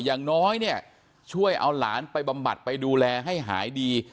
อย่างน้อยเนี่ยช่วยเอาหลานไปบำบัดไปดูแลให้หายดี